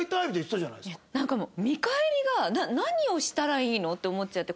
なんかもう見返りが何をしたらいいの？って思っちゃって。